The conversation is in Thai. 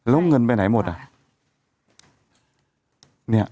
แล้วเงินไปไหนหมดอ่ะ